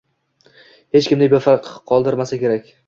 xech kimni befarq qoldirmasa kerak.